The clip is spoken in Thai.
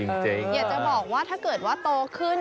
อยากจะบอกว่าถ้าเกิดว่าโตขึ้น